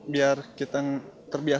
biar kita terbuka